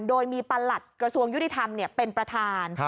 โดยมีประหลัดกระทรวงยุติธรรมเป็นประธาน